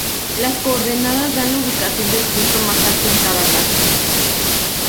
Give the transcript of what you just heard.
Las coordenadas dan la ubicación del punto más alto en cada caso.